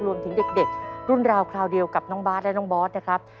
รวมถึงเด็กรุ่นราวคราวเดียวกับน้องบาทและน้องบอสนะครับ